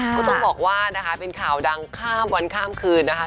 ก็ต้องบอกว่านะคะเป็นข่าวดังข้ามวันข้ามคืนนะคะ